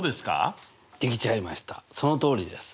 そのとおりです。